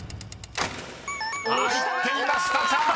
［入っていました「炒飯」！］